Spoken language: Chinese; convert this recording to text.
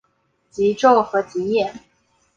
极昼和极夜。